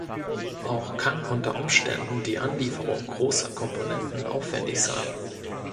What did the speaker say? Auch kann unter Umständen die Anlieferung großer Komponenten aufwändig sein.